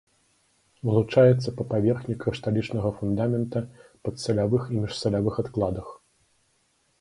Вылучаецца па паверхні крышталічнага фундамента, падсалявых і міжсалявых адкладах.